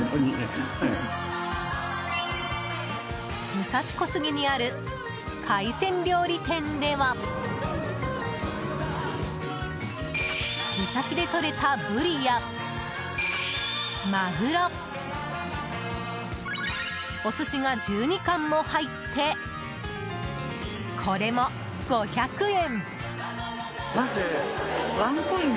武蔵小杉にある海鮮料理店では三崎でとれたブリや、マグロお寿司が１２貫も入ってこれも５００円！